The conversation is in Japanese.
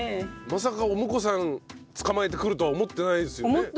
まさかお婿さんつかまえてくるとは思ってないですよね？